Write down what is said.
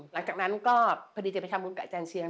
หลังจากนั้นก็พอดีจะไปทำบุญกับอาจารย์เชียง